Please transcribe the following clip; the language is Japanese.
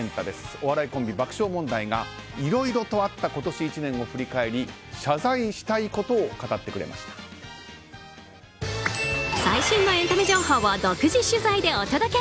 お笑いコンビ、爆笑問題がいろいろとあった今年１年を振り返り謝罪したいことを最新のエンタメ情報を独自取材でお届け。